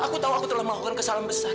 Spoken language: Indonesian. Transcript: aku tahu aku telah melakukan kesalahan besar